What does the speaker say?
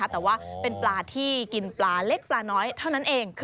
แต่ว่าเป็นปลาที่กินปลาเล็กปลาน้อยเท่านั้นเอง